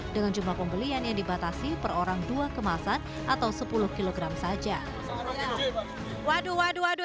dengan jumlah pembelian yang dibatasi per orang dua kemasan atau sepuluh kg saja waduh waduh waduh